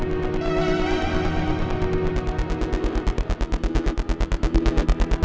tidak ada yang bisa diberikan keamanan elsa